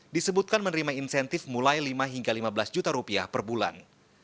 disebutkan menerima insentif mulai lima hingga sepuluh tahun